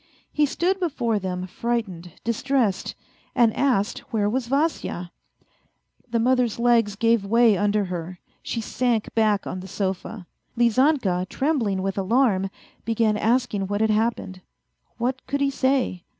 He stood before them frightened, distressed, and asked where was Vasya ? The mother's legs gave way under her; she sank back on the sofa. Lizanka, trembling with alarm, began asking what had happened. What could he say